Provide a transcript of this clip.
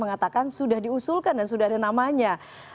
mengatakan sudah diusulkan dan sudah ada namanya